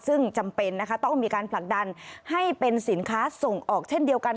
ซึ่งจำเป็นนะคะต้องมีการผลักดันให้เป็นสินค้าส่งออกเช่นเดียวกัน